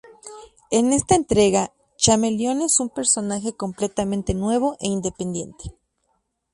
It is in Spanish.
En esta entrega, Chameleon es un personaje completamente nuevo e independiente.